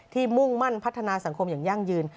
มุ่งมั่นพัฒนาสังคมอย่างยั่งยืน